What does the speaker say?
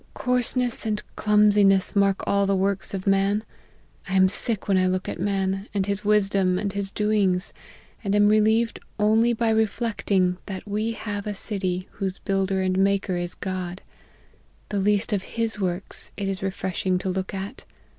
Coarseness and clumsiness mar all the works of 162 LIFE OF HENRY MARTYX. man. I am sick when I look at man, and his wisdom, and his doings ; and am relieved only by reflecting, that we have a city whose builder and maker is God. The least of His works it is refreshing to look at.